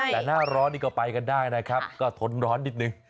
แต่หน้าร้อนนี่ก็ไปกันได้นะครับก็ทนร้อนนิดนึง